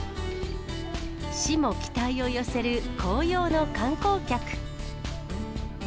市も期待を寄せる紅葉の観光客。